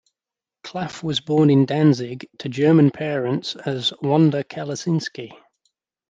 Klaff was born in Danzig to German parents as Wanda Kalacinski.